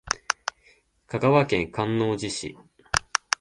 香川県観音寺市